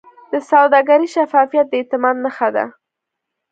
د سوداګرۍ شفافیت د اعتماد نښه ده.